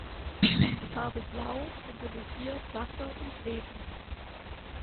Die Farbe Blau symbolisiert Wasser und Leben.